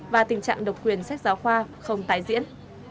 và tình trạng độc quyền sách giáo khoa không tái diễn